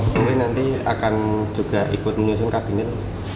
polri nanti akan juga ikut menyusun kabinet